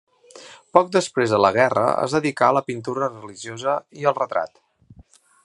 Poc després de la guerra es dedicà a la pintura religiosa i al retrat.